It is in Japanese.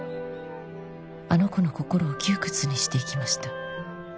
「あの子の心を窮屈にしていきました」